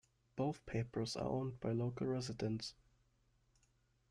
Both papers are owned by local residents.